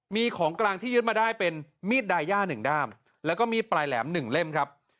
มีของกลางที่ยึดมาได้เป็นมีดดายย่า๑ด้ามแล้วก็มีดปลายแหลม๑เล่มครับ